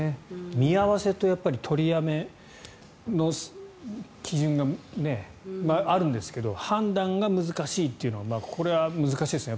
見合わせと取りやめの基準があるんですけど判断が難しいというのはこれは難しいですね。